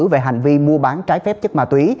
về hành vi mua bán trái phép chất ma túy